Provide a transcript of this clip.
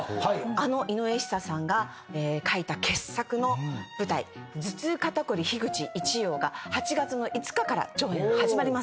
あの井上ひさしさんが書いた傑作の舞台『頭痛肩こり樋口一葉』が８月の５日から上演始まります。